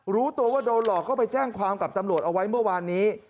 รู้ตัวว่าโดนหลอกก็ไปแจ้งความกับตำรวจเอาไว้เมื่อวานนี้